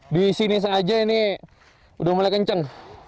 di sini saja ini udah mulai kenceng